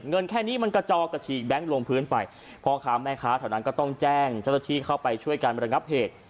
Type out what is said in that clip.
แค่นี้มันกระจอกกระฉีกแก๊งลงพื้นไปพ่อค้าแม่ค้าแถวนั้นก็ต้องแจ้งเจ้าหน้าที่เข้าไปช่วยการระงับเหตุ